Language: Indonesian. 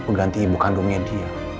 peganti ibu kandungnya dia